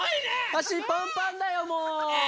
あしパンパンだよもう！